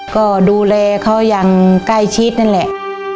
ก็ดูแลเขาอย่างใกล้ชิดนั่นแหละ